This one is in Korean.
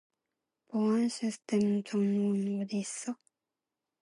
보안시스템 전원 어디 있어?